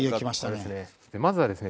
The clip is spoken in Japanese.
まずはですね